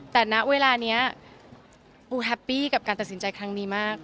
แต่ณเวลานี้ปูแฮปปี้กับการตัดสินใจครั้งนี้มาก